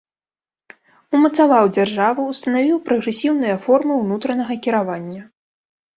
Умацаваў дзяржаву, устанавіў прагрэсіўныя формы ўнутранага кіравання.